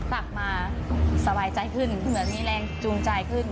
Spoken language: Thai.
กลับมาสบายใจขึ้นเหมือนมีแรงจูงใจขึ้น